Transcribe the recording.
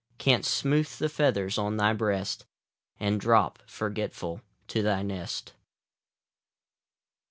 Canst smooth the feathers on thy breast, And drop, forgetful, to thy nest.